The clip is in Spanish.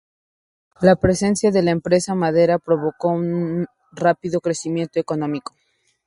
La presencia de la empresa maderera provocó un rápido crecimiento económico.